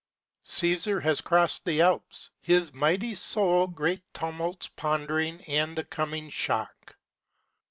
Caesar has crossed the Alps, his mighty soul Great tumults pondering and the coming shock.